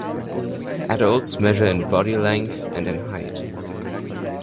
Adults measure in body length, and in height.